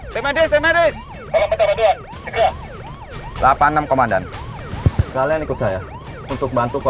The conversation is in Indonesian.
perintah cek dulu pak